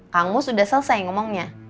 kamu sudah selesai ngomongnya